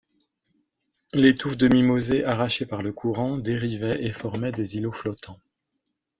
Les touffes de mimosées, arrachées par le courant, dérivaient et formaient des îlots flottants.